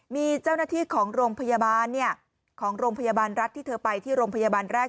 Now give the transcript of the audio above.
มีเจ้าหน้าที่ของโรงพยาบาลของโรงพยาบาลรัฐที่เธอไปที่โรงพยาบาลแรก